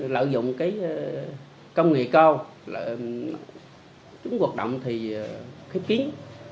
lợi dụng công nghệ cao chúng hoạt động khiếp kiến